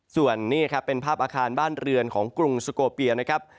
ส่วนนี้ครับเป็นภาพอาคารบ้านเรือนของกรุงสุโกเปียนะครับ